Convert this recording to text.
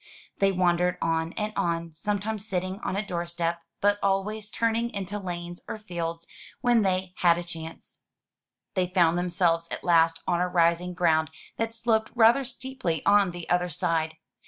They wandered on and on, sometimes sitting on a door step, but always turning into lanes or fields when they had a chance. They found themselves at last on a rising ground that sloped rather steeply on the other side.